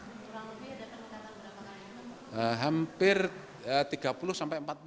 kurang lebih ada peningkatan berapa kali